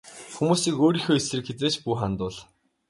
Хүмүүсийг өөрийнхөө эсрэг хэзээ ч бүү хандуул.